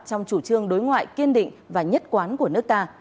trong chủ trương đối ngoại kiên định và nhất quán của nước ta